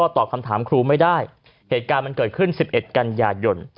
ตอบคำถามครูไม่ได้เหตุการณ์มันเกิดขึ้น๑๑กันยายน